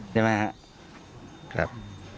ใช่ไหมครับ